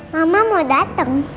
mama mau dateng